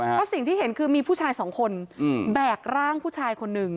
เพราะสิ่งที่เห็นคือมีผู้ชายสองคนแบกร่างผู้ชายคนหนึ่ง